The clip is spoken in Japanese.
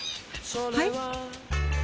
はい？